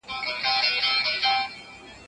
ایا هلک په کړکۍ کې مرغۍ لیدلې وه؟